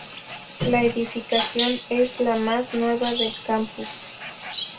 La edificación es la más nueva del campus.